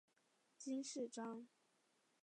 金饰章。